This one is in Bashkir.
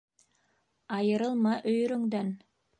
Айырылма өйөрөңдән: